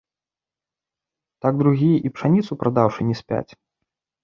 Так другія і пшаніцу прадаўшы не спяць.